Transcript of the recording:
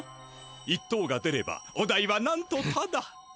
一等が出ればお代はなんとタダ！